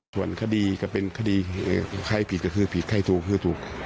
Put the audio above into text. ส่วนคดีก็เป็นคดีใครผิดก็คือผิดใครถูกคือถูก